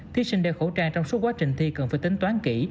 thí sinh đeo khẩu trang trong suốt quá trình thi cần phải tính toán kỹ